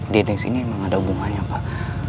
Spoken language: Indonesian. di sini memang ada hubungannya pak